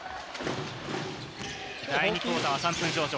第２クオーターは３分少々。